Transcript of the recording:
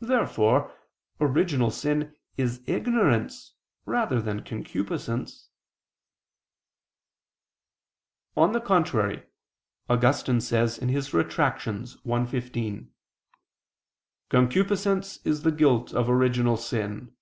Therefore original sin is ignorance rather than concupiscence. On the contrary, Augustine says (Retract. i, 15): "Concupiscence is the guilt of original sin."